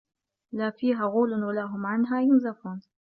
لا فيها غَولٌ وَلا هُم عَنها يُنزَفونَ